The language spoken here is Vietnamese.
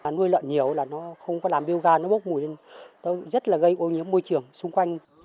nó nuôi lợn nhiều là nó không có làm biogar nó bốc mùi nên rất là gây ô nhiễm môi trường xung quanh